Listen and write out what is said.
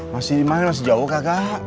masih dimana masih jauh kakak